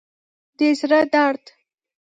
د زړه درد